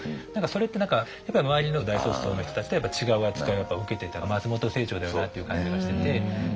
それって何かやっぱり周りの大卒層の人たちと違う扱いを受けてた松本清張だよなっていう感じがしてて。